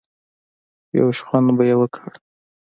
يو شخوند به يې وکړ.